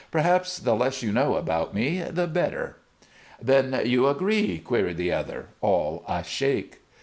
"Perhaps the less you know about me, the better." "Then you agree?" queried the other, all ashake.